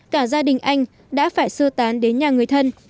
cả gia đình anh đã phải sơ tán đến nhà người thân